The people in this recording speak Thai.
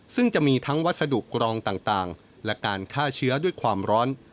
ซึ่งจะมีทั้งวัสดุกรองต่างและการฆ่าเชื้อด้วยความร้อน